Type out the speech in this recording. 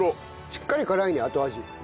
しっかり辛いね後味。